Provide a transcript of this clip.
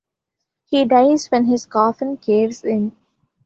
He dies when his coffin caves in.